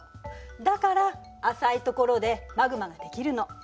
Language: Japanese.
だから浅いところでマグマができるの。